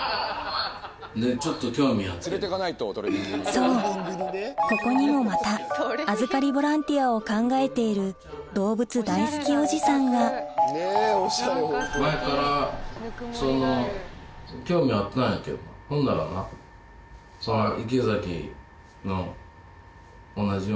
そうここにもまた預かりボランティアを考えている動物大好きおじさんがほんだらなその。